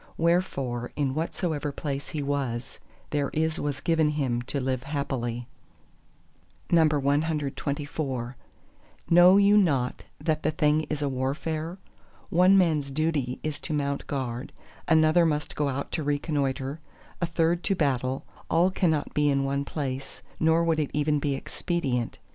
Wherefore in whatsoever place he was, there is was given him to live happily. CXXV Know you not that the thing is a warfare? one man's duty is to mount guard, another must go out to reconnoitre, a third to battle; all cannot be in one place, nor would it even be expedient.